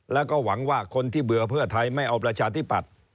แล้วก็หวังว่าคนที่เบื่อเพื่อไทยไม่เอาประชาธิปัตย์